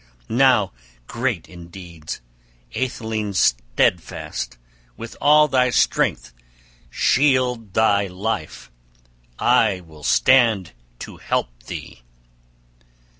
Now, great in deeds, atheling steadfast, with all thy strength shield thy life! I will stand to help thee."